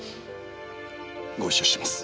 ご一緒します。